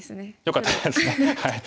よかったですねはい。